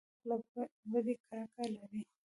هلک له بدۍ کرکه لري.